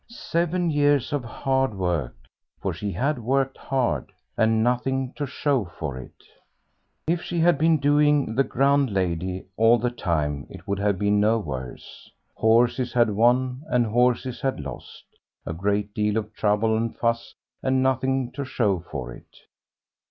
Seven years of hard work for she had worked hard and nothing to show for it. If she had been doing the grand lady all the time it would have been no worse. Horses had won and horses had lost a great deal of trouble and fuss and nothing to show for it.